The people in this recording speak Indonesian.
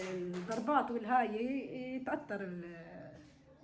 alhamdulillah korban tersebut terkena penyakit